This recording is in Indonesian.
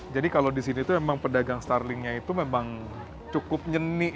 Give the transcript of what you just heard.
jadi kalau di sini itu memang pedagang starling nya itu memang cukup nyeni ya